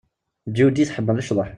Judy tḥemmel cḍeḥ.